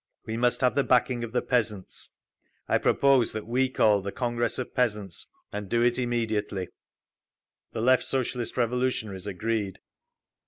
"We must have the backing of the peasants. I propose that we call the Congress of Peasants, and do it immediately…." The Left Socialist Revolutionaries agreed.